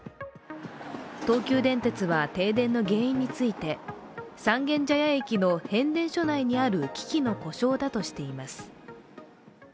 東急電鉄は停電の原因について三軒茶屋駅の変電所内にある機器の故障だとしています。